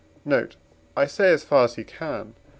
Note. I say, as far as he can.